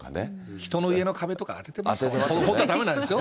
人の家の壁とか当ててましたよね。